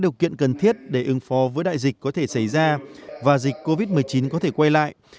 điều kiện cần thiết để ứng phó với đại dịch có thể xảy ra và dịch covid một mươi chín có thể quay lại